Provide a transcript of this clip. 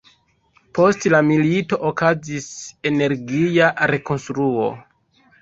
Post la milito okazis energia rekonstruo.